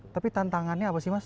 tapi tantangannya apa sih mas